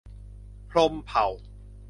พรหมเผ่า